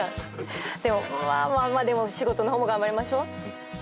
でもまあまあでも仕事の方も頑張りましょう。